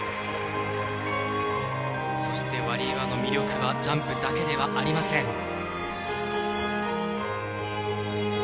そしてワリエワの魅力はジャンプだけではありません。